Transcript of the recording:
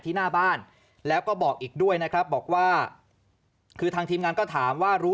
หน้าบ้านแล้วก็บอกอีกด้วยนะครับบอกว่าคือทางทีมงานก็ถามว่ารู้